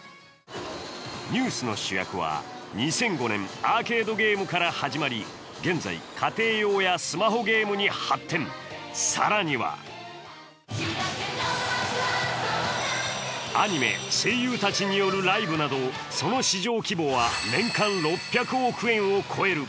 ニュースの主役は２００５年アーケードゲームから始まり、現在、家庭用やスマホゲームに発展更にはアニメ、声優たちによるライブなどその市場規模は年間６００億円を超える。